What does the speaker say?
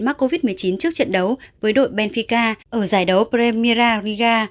qua covid một mươi chín trước trận đấu với đội benfica ở giải đấu premira riga